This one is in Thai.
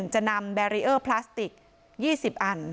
จะนำแบรีเออร์พลาสติก๒๐อัน